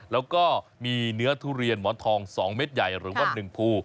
แล้วก็มีเนื้อทุเรียนหมอนทอง๒เม็ดใหญ่หรือว่า๑ภู